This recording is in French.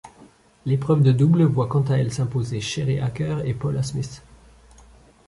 L'épreuve de double voit quant à elle s'imposer Sherry Acker et Paula Smith.